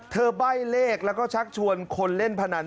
ใบ้เลขแล้วก็ชักชวนคนเล่นพนัน